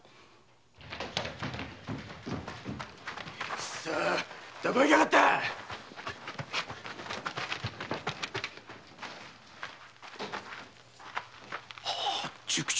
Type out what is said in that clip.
くそッどこ行きやがった塾長